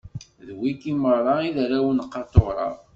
D wigi meṛṛa i d arraw n Qatura.